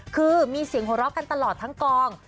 คือมีเสียงโฮรอฟกันตลอดทั้งกอง